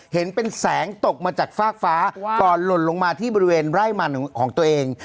เห็นเป็นแสงตกมาจากฟากฟ้าก่อนหล่นลงมาที่บริเวณไร่มันของตัวเอง